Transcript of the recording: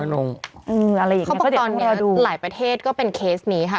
อะไรอย่างนี้ก็เดี๋ยวต้องรอดูเขาบอกว่าตอนนี้หลายประเทศก็เป็นเคสนี้ค่ะ